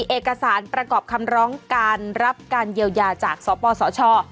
เอกสารประกอบคำร้องการรับการเยียวยาจากสปสช